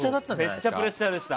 めっちゃプレッシャーでした。